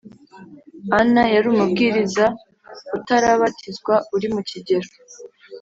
Anna yari umubwiriza utarabatizwa uri mu kigero